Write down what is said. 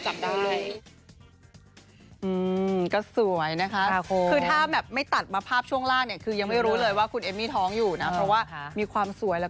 ใช่มีคนทักหลายคนค่ะแต่มี่ก็แบบ